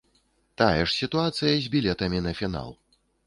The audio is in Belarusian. Тая ж сітуацыя з білетамі на фінал.